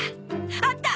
あった！